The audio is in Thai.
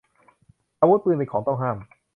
อาวุธปืน เป็นของต้องห้าม